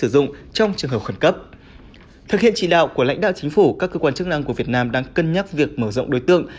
đại đạo chính phủ các cơ quan chức năng của việt nam đang cân nhắc việc mở rộng đối tượng